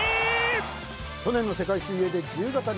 去年の世界水泳で自由形２冠！